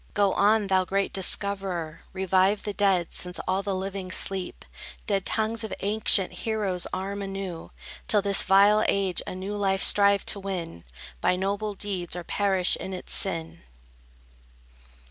Go on, thou great discoverer! Revive the dead, since all the living sleep! Dead tongues of ancient heroes arm anew; Till this vile age a new life strive to win By noble deeds, or perish in its sin!